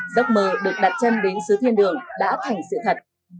giấc mơ được đặt chân đến sứ thiên đường đã thành sự thật